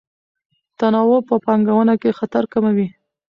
تنوع په پانګونه کې خطر کموي.